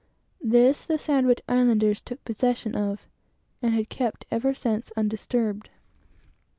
This, the Sandwich Islanders took possession of, and had kept, ever since, undisturbed.